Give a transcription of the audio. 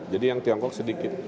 jadi yang tiongkok sedikit